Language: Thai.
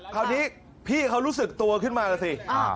คราวนี้พี่เขารู้สึกตัวขึ้นมาแล้วสิ